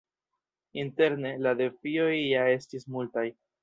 Interne, la defioj ja estis multaj.